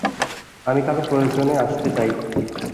আমি কারো প্রয়োজনে আসতে চাই!